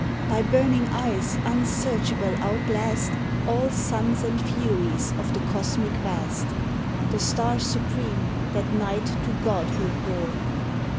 Thy burning eyes unsearchable outlast All suns and furies of the cosmic Vast The stars supreme that Night to Godhood bore.